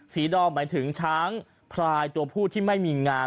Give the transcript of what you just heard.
ดอมหมายถึงช้างพลายตัวผู้ที่ไม่มีงาน